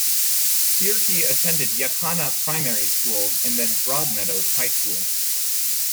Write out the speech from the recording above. Here he attended Jacana Primary School and then Broadmeadows High School.